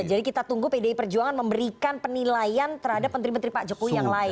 jadi kita tunggu pdi perjuangan memberikan penilaian terhadap menteri menteri pak jokowi yang lain